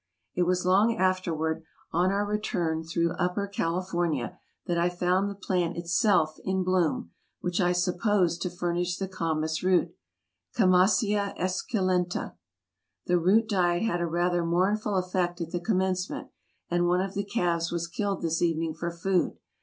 It was long afterward, on our return through Upper Cali fornia, that I found the plant itself in bloom, which I sup posed to furnish the kamas root (Camassia esculcjita). The root diet had a rather mournful effect at the commencement, and one of the calves was killed this evening for food.